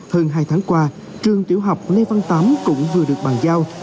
hơn hai tháng qua trường tiểu học lê văn tám cũng vừa được bàn giao